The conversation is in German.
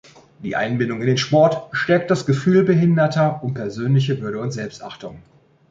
Die Einbindung in den Sport stärkt das Gefühl Behinderter um persönliche Würde und Selbstachtung.